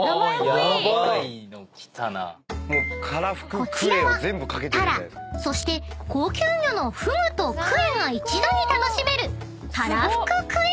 ［こちらはタラそして高級魚のフグとクエが一度に楽しめる］